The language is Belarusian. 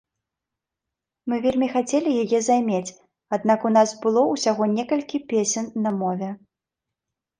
Мы вельмі хацелі яе займець, аднак у нас было ўсяго некалькі песень на мове.